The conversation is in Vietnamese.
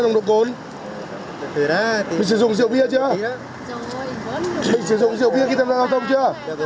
mình sử dụng rượu bia khi tham gia giao thông chưa